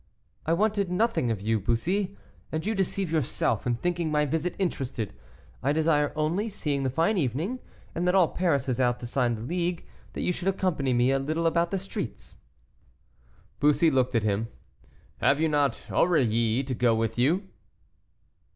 "I wanted nothing of you, Bussy, and you deceive yourself in thinking my visit interested. I desire only, seeing the fine evening, and that all Paris is out to sign the League, that you should accompany me a little about the streets." Bussy looked at him. "Have you not Aurilly to go with you?"